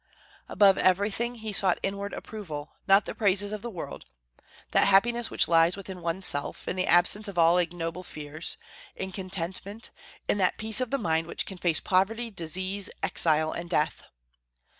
Above everything, he sought inward approval, not the praises of the world, that happiness which lies within one's self, in the absence of all ignoble fears, in contentment, in that peace of the mind which can face poverty, disease, exile, and death.